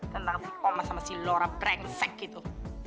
tentang si omas sama si laura brengsek gitu